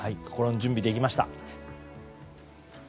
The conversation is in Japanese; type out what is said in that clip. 心の準備できました。